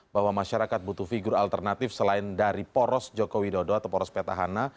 bahwa masyarakat butuh figur alternatif selain dari poros joko widodo atau poros petahana